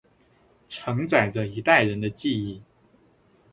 承载着一代人的记忆